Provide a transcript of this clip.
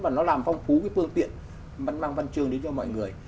và nó làm phong phú cái phương tiện mang văn chương đến cho mọi người